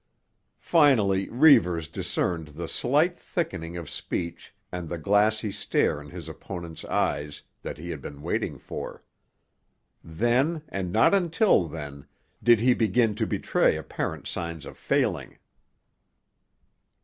Finally Reivers discerned the slight thickening of speech and the glassy stare in his opponent's eyes that he had been waiting for. Then, and not until then, did he begin to betray apparent signs of failing.